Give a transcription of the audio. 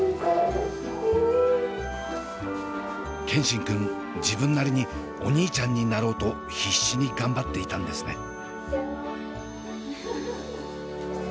健新くん自分なりにお兄ちゃんになろうと必死に頑張っていたんですね。